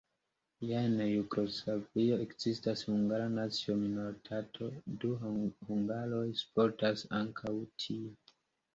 Ja en Jugoslavio ekzistas hungara nacia minoritato, do, hungaroj sportas ankaŭ tie.